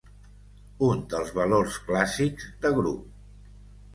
Un dels valors clàssics de grup.